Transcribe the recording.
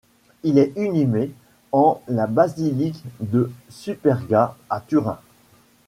Il est inhumé en la basilique de Superga, à Turin.